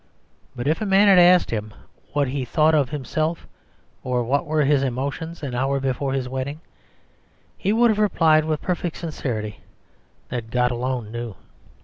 But if a man had asked him what he thought of himself, or what were his emotions an hour before his wedding, he would have replied with perfect sincerity that God alone knew.